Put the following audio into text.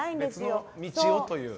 別の道をという。